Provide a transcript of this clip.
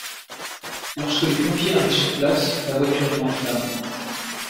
Lorsque les pompiers arrivent sur place, la voiture est en flammes.